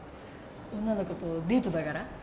女の子とデートだから？